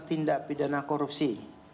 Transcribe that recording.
tindak pidana korupsi